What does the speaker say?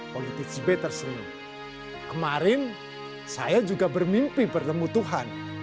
politisi b tersenyum kemarin saya juga bermimpi bertemu tuhan